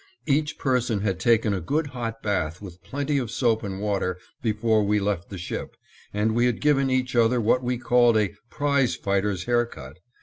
Each person had taken a good hot bath with plenty of soap and water before we left the ship, and we had given each other what we called a "prize fighter's hair cut."